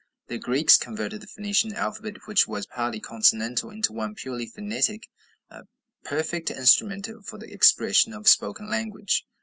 The Greeks converted the Phoenician alphabet, which was partly consonantal, into one purely phonetic "a perfect instrument for the expression of spoken language."